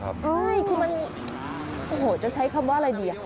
ใช่คือมันโอ้โหจะใช้คำว่าอะไรดี